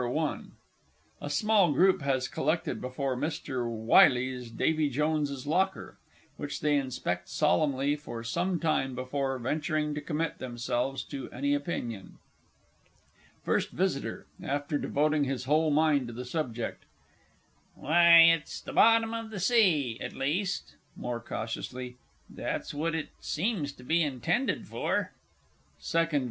I. _A small group has collected before Mr. Wyllie's "Davy Jones's Locker," which they inspect solemnly for some time before venturing to commit themselves to any opinion._ FIRST VISITOR (after devoting his whole mind to the subject). Why, it's the Bottom of the Sea at least (more cautiously), that's what it seems to be intended for. SECOND V.